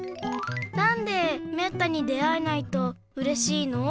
なんでめったに出会えないとうれしいの？